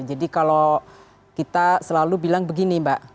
jadi kalau kita selalu bilang begini mbak